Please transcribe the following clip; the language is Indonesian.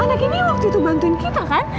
anak ini waktu itu bantuin kita kan